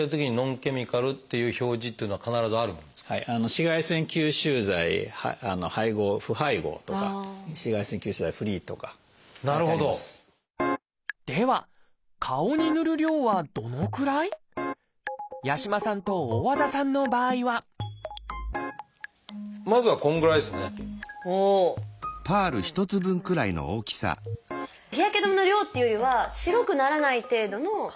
日焼け止めの量っていうよりは白くならない程度の量を塗るっていうか。